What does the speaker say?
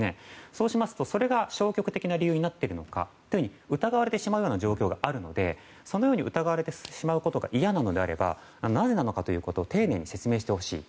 そうしますと、それが消極的な理由になっているのかと疑われてしまう状況があるのでそのように疑われてしまうことが嫌なのであればなぜなのかということを丁寧に説明してほしい。